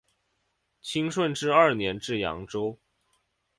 清顺治二年至扬州。